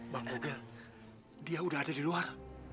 mak boga dia udah ada di luar